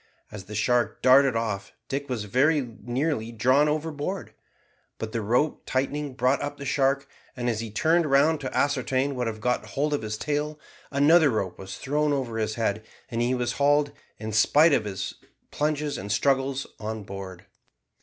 As the shark darted off Dick was very nearly drawn overboard, but the rope tightening brought up the shark; and as he turned round to ascertain what had got hold of his tail another rope was thrown over his head, and he was hauled, in spite of his plunges and struggles, on board.